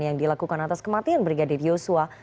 yang dilakukan atas kematian brigadir yosua